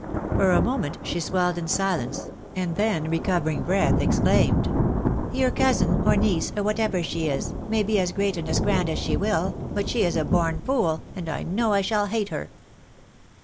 For a moment she swelled in silence, and then, recovering breath, exclaimed —" Your cousin, or niece, or whatever she is, may be as great and as grand as she will — ^but she is a born fool, and I know I shall hate her."